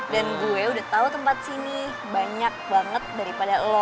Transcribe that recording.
dan gue udah tau tempat sini banyak banget daripada lo